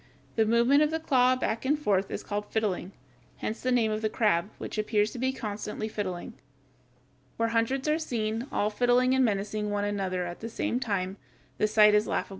The movement of the claw back and forth is called fiddling, hence the name of the crab, which appears to be constantly fiddling. Where hundreds are seen, all fiddling and menacing one another at the same time, the sight is laughable. [Illustration: FIG. 149.